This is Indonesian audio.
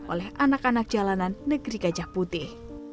oleh anak anak jalanan negeri gajah putih